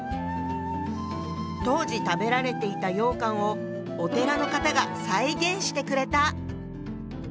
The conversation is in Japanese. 当時食べられていた羊羹をお寺の方が再現してくれた。